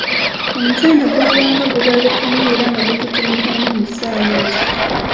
Omusana gwabanga gubaaluuka nnyo era nga gutuntumuka nnyo mu ssaawa ezo.